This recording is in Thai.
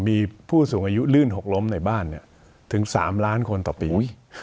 มีผู้สูงอายุลื่นหกล้มในบ้านถึง๓ล้านคนต่อปี